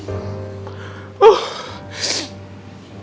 ustadzah banyak punya keuntungan